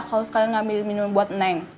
kalau sekalian nggak ambil minum buat neng